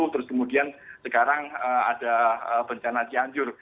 terus kemudian sekarang ada bencana cianjur